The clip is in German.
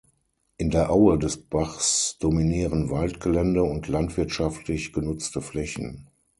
In der Aue des Bachs dominieren Waldgelände und landwirtschaftlich genutzte Flächen.